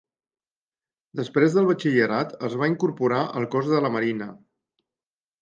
Després del batxillerat, es va incorporar al cos de la Marina.